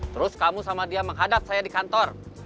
terus kamu sama dia menghadap saya di kantor